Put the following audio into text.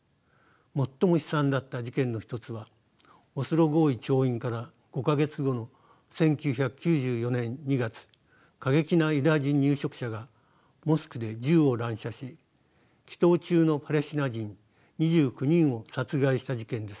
最も悲惨だった事件の一つはオスロ合意調印から５か月後の１９９４年２月過激なユダヤ人入植者がモスクで銃を乱射し祈とう中のパレスチナ人２９人を殺害した事件です。